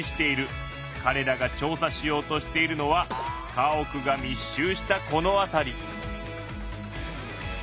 かれらが調査しようとしているのは家屋が密集したこの辺り。